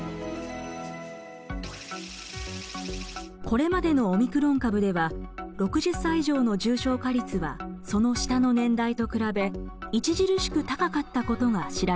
これまでのオミクロン株では６０歳以上の重症化率はその下の年代と比べ著しく高かったことが知られています。